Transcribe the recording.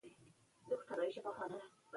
ماشوم باید خپل یونیفرم خپله واغوندي.